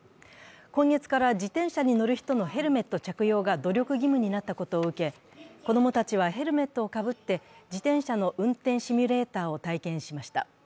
今月から自転車に乗る人のヘルメット着用が努力義務になったことを受け、子供たちはヘルメットをかぶって、自転車の運転シュミレーターを体験しました。